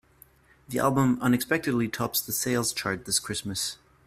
The album unexpectedly tops the sales chart this Christmas.